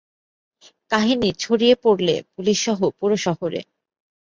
কাহিনী ছড়িয়ে পড়লে পুলিশসহ পুরা শহরে।